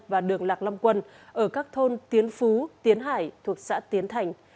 và đường lạc long quân ở các thôn tiến phú tiến hải thuộc xã tiến thành